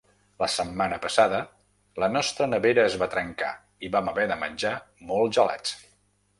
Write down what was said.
La setmana passada la nostra nevera es va trencar i vam haver de menjar molts gelats.